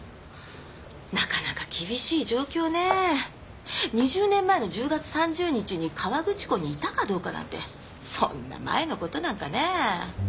なかなか厳しい状況ね２０年前の１０月３０日に河口湖にいたかどうかなんてそんな前のことなんかね